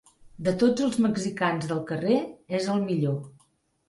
De tots els mexicans del carrer, és el millor.